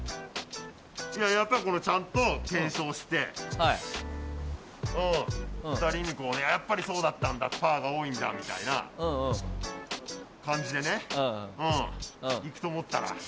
やっぱり、ちゃんと検証して２人にやっぱりそうだったんだパーが多いんだみたいな感じでねいくと思ったら。